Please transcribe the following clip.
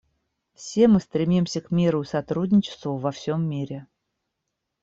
Все мы стремимся к миру и сотрудничеству во всем мире.